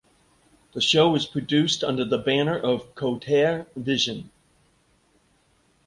The show is produced under the banner of Kothare Vision.